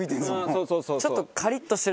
そうそうそうそう。